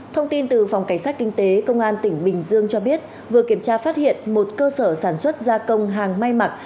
thông tin từ phòng cảnh sát kinh tế công an tỉnh bình dương cho biết vừa kiểm tra phát hiện một cơ sở sản xuất gia công hàng may mặc